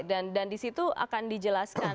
dan di situ akan dijelaskan